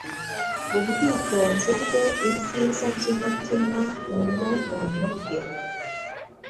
ubwitonzi bweibyiza byumutimanubuntu bwe